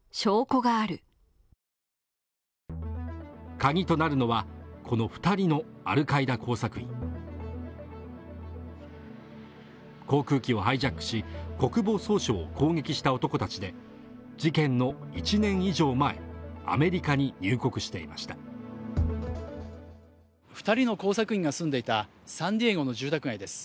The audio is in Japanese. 鍵となるのはこの二人のアルカイダ工作員航空機をハイジャックし国防総省を攻撃した男たちで事件の１年以上前アメリカに入国していました２人の工作員が住んでいたサンディエゴの住宅街です